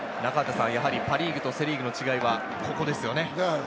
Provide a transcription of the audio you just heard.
パ・リーグとセ・リーグの違いはここですよね。